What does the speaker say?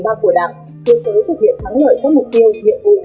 tổ quốc an đang thẳng định kinh thần tử mới trong các hoạt động của mình